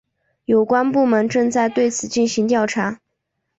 有关部门正在对此进行调查。